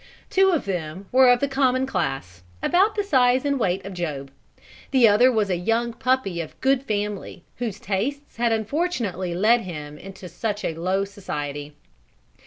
Two of them were of the common class, about the size and weight of Job; the other was a young puppy of good family, whose tastes had unfortunately led him into such low society.